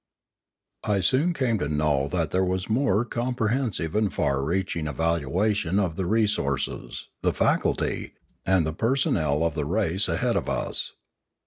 I soon came to know that there was a more compre hensive and far reaching evaluation of the resources, the faculty, and the personnel of the race ahead of us.